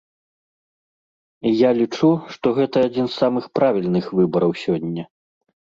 І я лічу, што гэта адзін з самых правільных выбараў сёння.